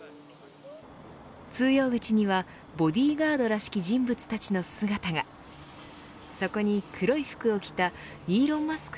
通用口にはボディーガードらしき人物たちの姿がそこに黒い服を着たイーロン・マスク